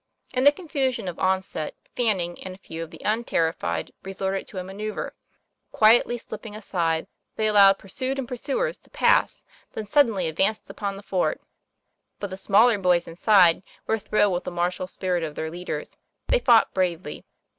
In the confusion of onset, Fanning and a few of the unterrified resorted to a manoeuvre. Quietly slipping aside they allowed pursued and pursuers to pass, then suddenly advanced upon the fort. But the smaller boys inside were thrilled with the martial spirit of their leaders; they fought bravely.